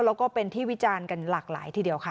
แล้วก็เป็นที่วิจารณ์กันหลากหลายทีเดียวค่ะ